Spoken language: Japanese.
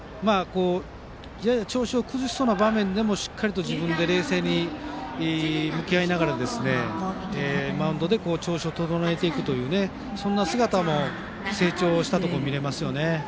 やや調子を崩しそうな場面でもしっかりと自分で冷静に向き合いながらマウンドで調子を整えていくそんな姿も成長したところが見られますね。